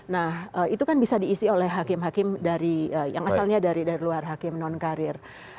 nah itu kan bisa diisi oleh hakim hakim dari yang asalnya dari luar hakim non karir